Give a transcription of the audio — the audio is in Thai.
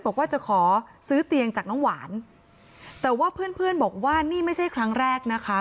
บอกว่าจะขอซื้อเตียงจากน้องหวานแต่ว่าเพื่อนเพื่อนบอกว่านี่ไม่ใช่ครั้งแรกนะคะ